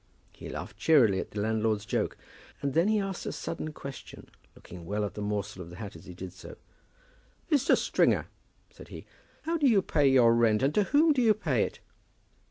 He laughed cheerily at the landlord's joke, and then he asked a sudden question, looking well at the morsel of the hat as he did so. "Mr. Stringer," said he, "how do you pay your rent, and to whom do you pay it?"